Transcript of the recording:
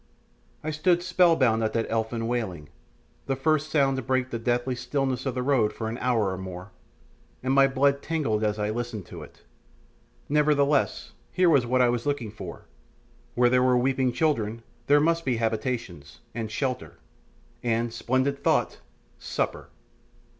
I stood spell bound at that elfin wailing, the first sound to break the deathly stillness of the road for an hour or more, and my blood tingled as I listened to it. Nevertheless, here was what I was looking for; where there were weeping children there must be habitations, and shelter, and splendid thought! supper.